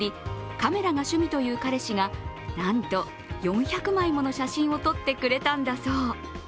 カメラが趣味という彼氏がなんと４００枚もの写真を撮ってくれたんだそう。